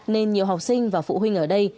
nên nhiều học sinh và phụ huynh ở đây